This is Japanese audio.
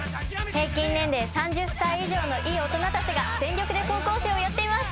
平均年齢３０歳以上の大人たちが全力で高校生をやっています。